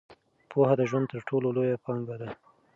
پوهه د ژوند تر ټولو لویه پانګه ده.